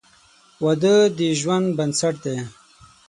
• واده د ژوند بنسټ دی.